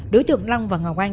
đối tượng long và ngọc anh